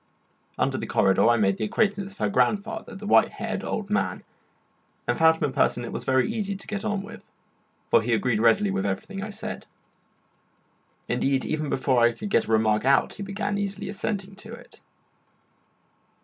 Under the corridor I made the acquaintance of her grandfather, the white haired old man, and found him a person it was very easy to get on with, for he agreed readily with everything I said. Indeed, even before I could get a remark out he began eagerly assenting to it.